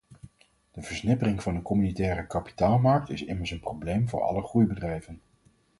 De versnippering van de communautaire kapitaalmarkt is immers een probleem voor alle groeibedrijven.